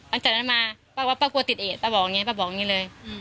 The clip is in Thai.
อันจากนั้นมาป้าก็ว่าป้ากลัวติดเอสป้าบอกอย่างนี้เลย